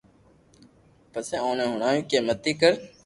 پسي اوني ھڻاويو ڪي متي ڪر